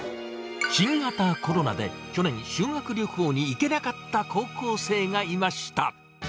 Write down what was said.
新型コロナで去年、修学旅行に行けなかった高校生がいました。